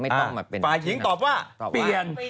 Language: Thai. ฝ่ายหญิงตอบว่าเปลี่ยน